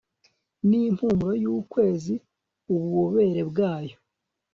Nimpumuro yukwezi ububobere bwayo